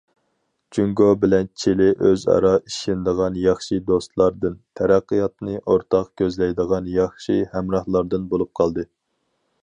جۇڭگو بىلەن چىلى ئۆزئارا ئىشىنىدىغان ياخشى دوستلاردىن، تەرەققىياتنى ئورتاق كۆزلەيدىغان ياخشى ھەمراھلاردىن بولۇپ قالدى.